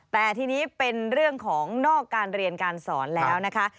แต่ทีนี้เป็นเรื่องของนอกการเรียนการสอนแล้วนะคะ